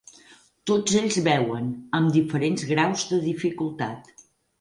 Tots ells beuen, amb diferents graus de dificultat.